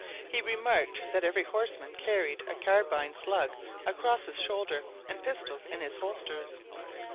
He remarked that every horseman carried a carbine slung across his shoulders and pistols in his holsters.